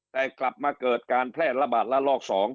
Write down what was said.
แต่กลับมาเกิดการแพร่ระบาดระลอก๒